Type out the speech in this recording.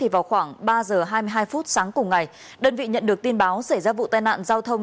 vào khoảng ba giờ hai mươi hai phút sáng cùng ngày đơn vị nhận được tin báo xảy ra vụ tai nạn giao thông